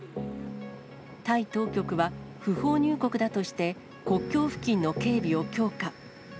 タイ当局は、不法入国だとして、国境付近の警備を強化。